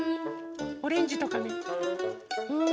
オレンジとかね。